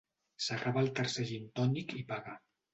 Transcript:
S'acaba el tercer gintònic i paga.